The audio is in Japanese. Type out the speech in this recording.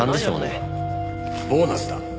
ボーナスだ。